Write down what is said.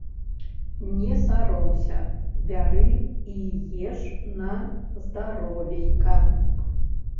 Не саромся, бяры і еш на здаровейка!